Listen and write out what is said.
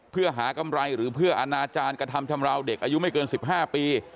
เพื่อหากำไรหรือเพื่ออนาจารย์กระทำชำราวเด็กอายุไม่เกิน๑๕ปี